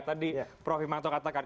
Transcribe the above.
tadi prof hikmanto katakan